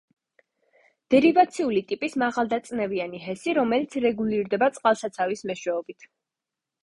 დერივაციული ტიპის მაღალდაწნევიანი ჰესი, რომელიც რეგულირდება წყალსაცავის მეშვეობით.